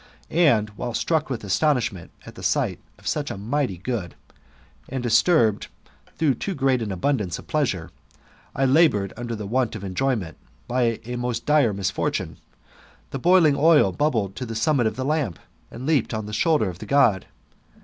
And white struck with astonishment at the sight of snch a mighty good, and disturbed through too great an abundance of pleasure, I laboured under the want of enjoyment, by a most dire misfortune, the l)oiling oil bubbled to the summit of the lamp, and leaped on the shoulder of the God.